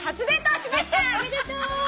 おめでとう！